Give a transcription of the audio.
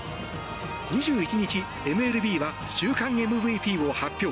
２１日、ＭＬＢは週間ＭＶＰを発表。